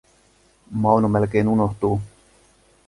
Mauno melkein unohtuu.